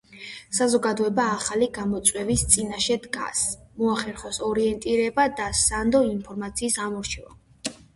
საზოგადოება ახალი გამოწვევის წინაშე დგას - მოახერხოს ორიენტირება და სანდო ინფორმაციის ამორჩევა.